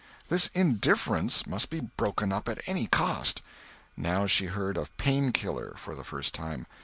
This indifference must be broken up at any cost. Now she heard of Pain killer for the first time.